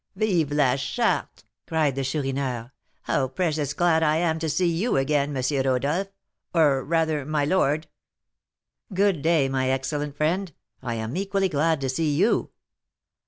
"Vive la Charte!" cried the Chourineur. "How precious glad I am to see you again, M. Rodolph or, rather, my lord!" "Good day, my excellent friend. I am equally glad to see you."